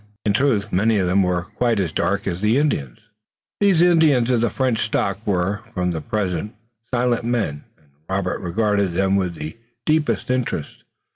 In truth, many of them were quite as dark as the Indians. These Canadians of the French stock were, for the present, silent men, and Robert regarded them with the deepest interest.